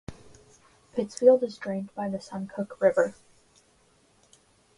Pittsfield is drained by the Suncook River.